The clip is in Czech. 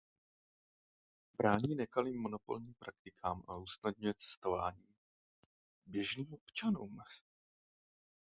Brání nekalým monopolním praktikám a usnadňuje cestování běžným občanům.